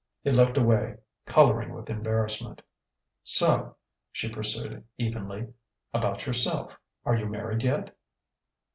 He looked away, colouring with embarrassment. "So," she pursued evenly "about yourself: are you married yet?"